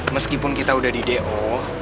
meskipun kita udah di do